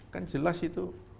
kan jelas itu